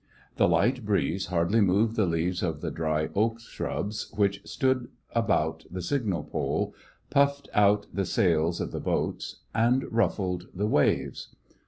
The light breeze hardly moved the leaves of the dry oak shrubs which stood about the signal pole, puffed out the sails of the boats, and ruffled the waves.